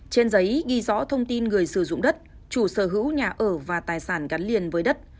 trên giấy ghi rõ thông tin người sử dụng đất chủ sở hữu nhà ở và tài sản gắn liền với đất